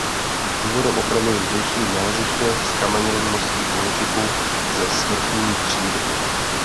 Důvodem ochrany je zdejší naleziště zkamenělin mořských živočichů ze svrchní křídy.